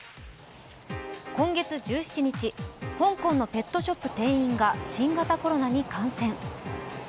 今月１７日、香港のペットショップ店員が新型コロナに感染。